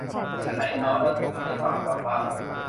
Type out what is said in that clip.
ไฉนหนอเราจะพึงได้ฟังธรรมบ้าง